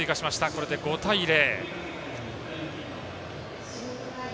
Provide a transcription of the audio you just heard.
これで５対０。